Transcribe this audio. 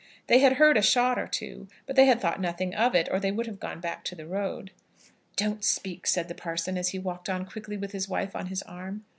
They had heard a shot or two, but they had thought nothing of it, or they would have gone back to the road. "Don't speak," said the parson, as he walked on quickly with his wife on his arm.